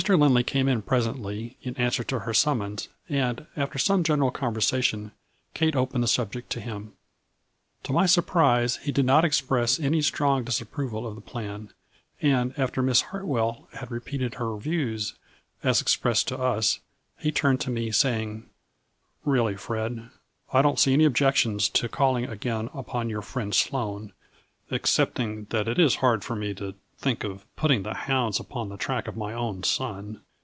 Lindley came in presently in answer to her summons, and, after some general conversa tion, Kate opened the subject to him. To my surprise, he did not express any strong 150 A FLURRY IN DIAMONDS. disapproval of the plan, and, after Miss Hartwell had repeated her views, as expressed to us, he turned to me saying :" Really, Fred, I don't see any objections to calling again upon your friend, Sloane, except ing that it is hard for me to think of putting the hounds upon the track of my own son.